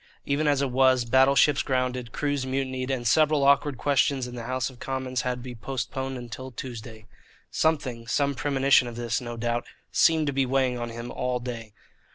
Even as it was, battleships grounded, crews mutinied, and several awkward questions in the House of Commons had to be postponed till Tuesday. Something some premonition of this, no doubt seemed to be weighing on him all day.